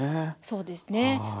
そうですね。